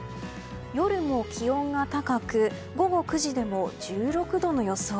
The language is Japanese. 夜も気温が高く午後９時でも１６度の予想。